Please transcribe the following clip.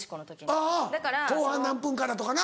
あぁ後半何分からとかな。